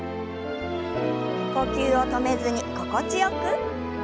呼吸を止めずに心地よく。